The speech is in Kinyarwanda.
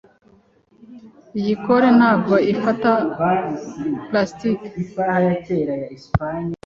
Iyi kole ntabwo ifata plastike.